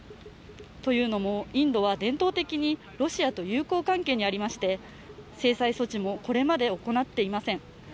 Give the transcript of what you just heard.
というのも、インドは伝統的にロシアと友好関係にありまして制裁措置もこれまで行っていません。